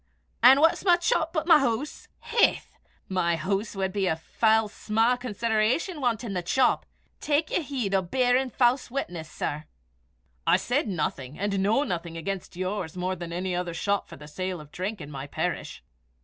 "An' what's my chop but my hoose? Haith! my hoose wad be o' fell sma' consideration wantin' the chop. Tak ye heed o' beirin' fause witness, sir." "I said nothing, and know nothing, against yours more than any other shop for the sale of drink in my parish."